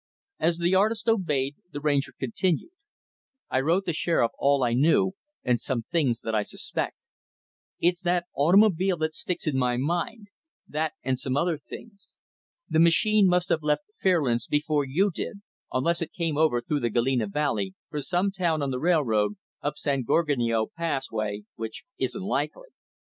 As the artist obeyed, the Ranger continued, "I wrote the Sheriff all I knew and some things that I suspect. It's that automobile that sticks in my mind that and some other things. The machine must have left Fairlands before you did, unless it came over through the Galena Valley, from some town on the railroad, up San Gorgonio Pass way which isn't likely.